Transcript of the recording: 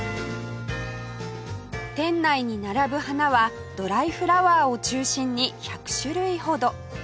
店内に並ぶ花はドライフラワーを中心に１００種類ほど